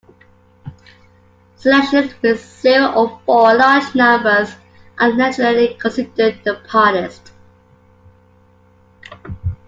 Selections with zero or four large numbers are generally considered the hardest.